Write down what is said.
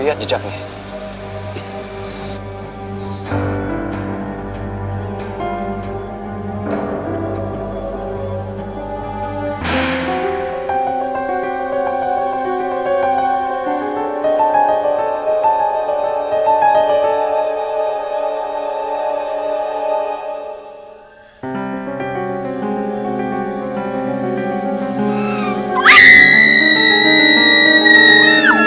ya tapi di jakarta itu ada perkampungan